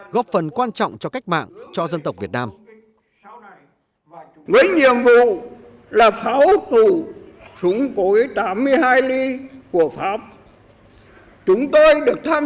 góp phần quan trọng cho cách mạng cho dân tộc việt nam